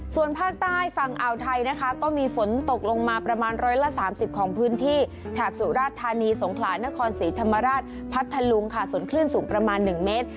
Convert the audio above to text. ส่วนภาคใต้ฝั่งอ่าวไทยนะคะก็มีฝนตกลงมาประมาณ๑๓๐ของพื้นที่แถบสุราชธานีสงขลานครศรีธรรมราชพัทธลุงค่ะส่วนคลื่นสูงประมาณ๑เมตร